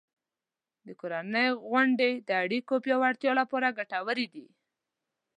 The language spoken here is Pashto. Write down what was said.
د کورنۍ غونډې د اړیکو پیاوړتیا لپاره ګټورې دي.